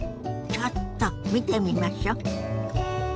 ちょっと見てみましょ。